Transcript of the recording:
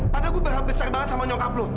padahal gue besar banget sama nyokap lo